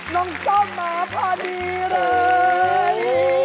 น้องจ้องมาพอดีเลย